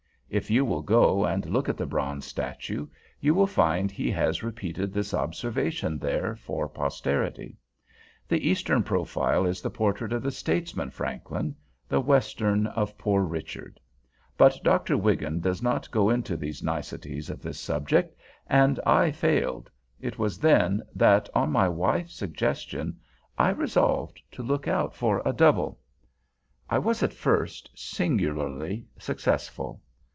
If you will go and look at the bronze statue, you will find he has repeated this observation there for posterity. The eastern profile is the portrait of the statesman Franklin, the western of Poor Richard. But Dr. Wigan does not go into these niceties of this subject, and I failed. It was then that, on my wife's suggestion, I resolved to look out for a Double. I was, at first, singularly successful.